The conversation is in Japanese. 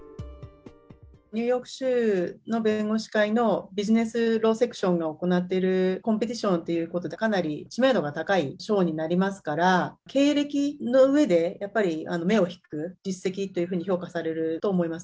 ニューヨーク州の弁護士会のビジネスローセクションが行っているコンペティションということで、かなり知名度が高い賞になりますから、経歴の上でやっぱり目を引く実績というふうに評価されると思います。